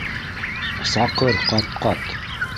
Саҡыр ҡат-ҡат!